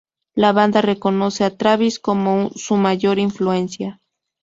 La banda reconoce a Travis como su mayor influencia.